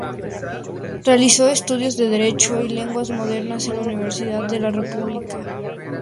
Realizó estudios de Derecho y Lenguas Modernas en la Universidad de la República.